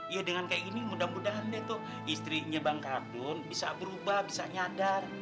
ya dengan kayak gini mudah mudahan deh tuh istrinya bang kardun bisa berubah bisa nyadar